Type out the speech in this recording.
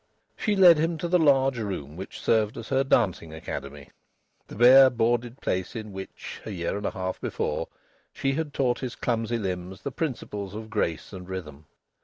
She led him to the large room which served as her dancing academy the bare boarded place in which, a year and a half before, she had taught his clumsy limbs the principles of grace and rhythm.